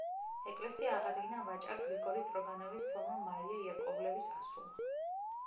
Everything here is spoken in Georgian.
ეკლესია აღადგინა ვაჭარ გრიგორი სტროგანოვის ცოლმა მარია იაკოვლევის ასულმა.